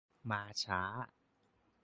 มาช้า